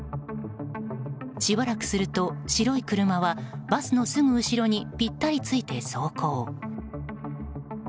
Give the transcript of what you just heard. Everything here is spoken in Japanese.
しばらくすると、白い車はバスの後ろにぴったりついて走行。